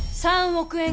３億円！？